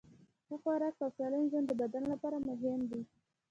ښه خوراک او سالم ژوند د بدن لپاره مهم دي.